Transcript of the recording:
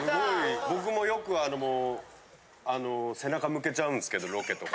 僕もよくあの背中向けちゃうんですけどロケとか。